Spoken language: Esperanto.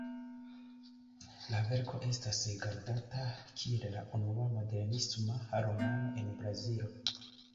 La verko estas rigardata kiel la unua "modernisma" romano en Brazilo.